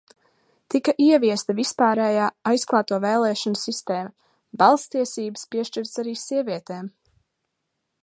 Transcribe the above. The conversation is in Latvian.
Tika ieviesta vispārējā, aizklāto vēlēšanu sistēma, balss tiesības piešķirtas arī sievietēm.